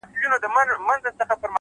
علم د انسان قدر لوړوي؛